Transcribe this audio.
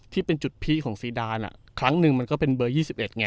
ที่เป็นจุดพีคของซีดานอ่ะครั้งหนึ่งมันก็เป็นเบอร์ยี่สิบเอ็ดไง